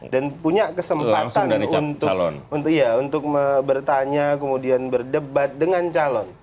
dan punya kesempatan untuk bertanya kemudian berdebat dengan calon